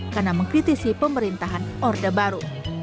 karena mengkritisi pemerintahan orde baru